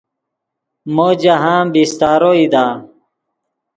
مو جاہند بیستارو ایدا